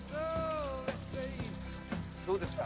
どうですか？